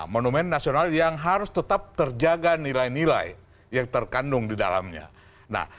monumen nasional yang harus tetap terjaga nilai nilai yang terkandung di dalamnya nah